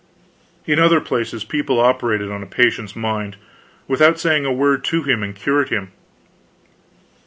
In other places people operated on a patient's mind, without saying a word to him, and cured him.